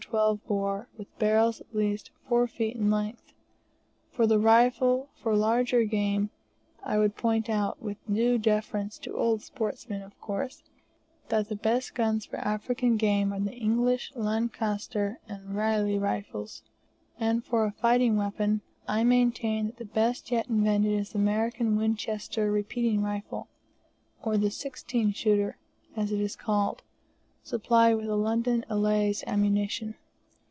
12 bore, with barrels at least four feet in length. For the rifle for larger game, I would point out, with due deference to old sportsmen, of course, that the best guns for African game are the English Lancaster and Reilly rifles; and for a fighting weapon, I maintain that the best yet invented is the American Winchester repeating rifle, or the "sixteen, shooter" as it is called, supplied with the London Eley's ammunition.